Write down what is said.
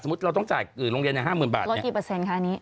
สมมุติเราต้องจ่ายอืมโรงเรียนในห้าหมื่นบาทลดกี่เปอร์เซ็นต์ค่านี้